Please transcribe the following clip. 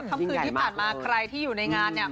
คำคืนที่ผ่านมาใครที่อยู่ในงานเนี่ย